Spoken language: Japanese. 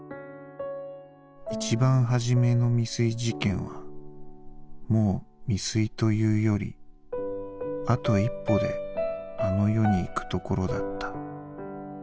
一番初めの未遂事件はもう未遂と言うよりあと１歩であの世に行く所だった」。